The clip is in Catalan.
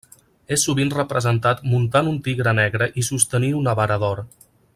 És sovint representat muntant un tigre negre i sostenint una vara d'or.